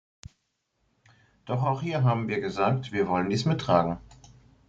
Doch auch hier haben wir gesagt, wir wollen dies mittragen.